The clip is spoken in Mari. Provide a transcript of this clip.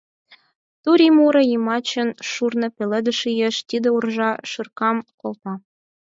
Турий муро йымачын шурно пеледыш иеш — тиде уржа шыркам колта.